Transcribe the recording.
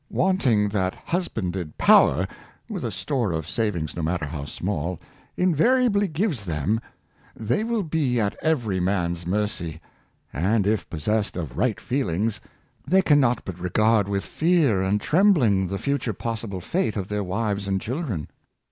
Wanting that husbanded power with a store of savings, no matter how small, invariably gives them, they will be at every man's mercy, and, if possessed of right feelings, they can not but regard with fear and trembling the future possible fate of their wives and children.